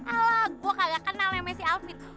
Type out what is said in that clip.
alah gue gak kenal yang masih arvin